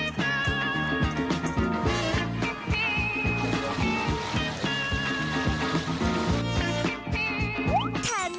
ส่วนชีวิต